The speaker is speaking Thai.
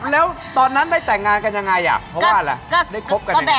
แล้วตอนนั้นได้แต่งงานกันยังไงอ่ะเพราะว่าอะไรได้คบกันยังไง